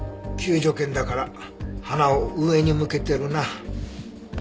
救助犬だから鼻を上に向けてるな。